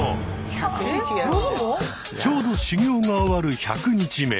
ちょうど修行が終わる１００日目。